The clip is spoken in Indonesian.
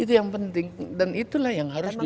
itu yang penting dan itulah yang harus di